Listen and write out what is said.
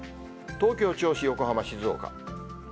東京、銚子、横浜、静岡。